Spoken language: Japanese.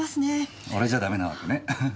俺じゃダメなわけねハハ。